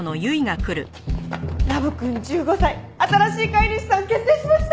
ラブくん１５歳新しい飼い主さん決定しました！